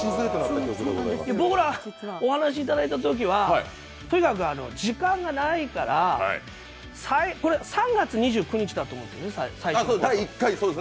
僕ら、お話いただいたときはとにかく時間がないから３月２９日だと思うんですね、第１回。